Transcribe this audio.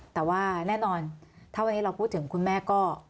แต่ว่าแน่นอนถ้าวันนี้เราพูดถึงคุณแม่ก็